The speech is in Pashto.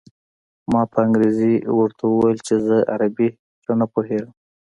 ما په انګرېزۍ ورته وویل چې زه عربي ښه نه پوهېږم.